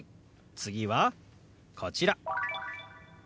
次はこちら。